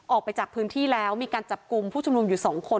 ออกไปจากพื้นที่แล้วมีการจับกลุ่มผู้ชุมนุมอยู่๒คน